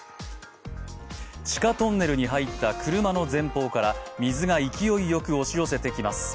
地下トンネルに入った車の前方から水が勢いよく押し寄せてきます。